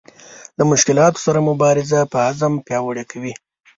له مشکلاتو سره مبارزه په عزم پیاوړې کوي.